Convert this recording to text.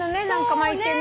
巻いてね。